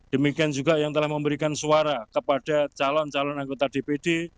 demikian juga yang telah memberikan suara kepada calon calon anggota dpd